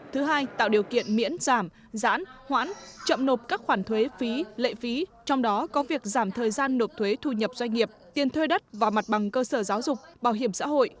thứ hai tạo điều kiện miễn giảm giãn hoãn chậm nộp các khoản thuế phí lệ phí trong đó có việc giảm thời gian nộp thuế thu nhập doanh nghiệp tiền thuê đất và mặt bằng cơ sở giáo dục bảo hiểm xã hội